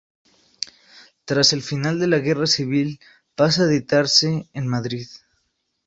Tras el final de la guerra civil, pasa a editarse en Madrid.